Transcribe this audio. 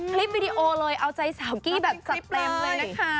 วิดีโอเลยเอาใจสาวกี้แบบจัดเต็มเลยนะคะ